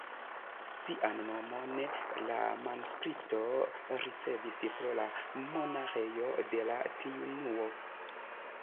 Sian nomon la manuskripto ricevis pro la monaĥejo de la Triunuo.